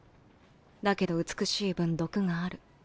だけど美しい分毒がある。